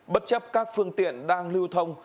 bất chấp các phương tiện đang lưu thông